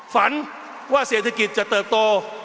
ฝันว่าเศรษฐกิจจะเติบโต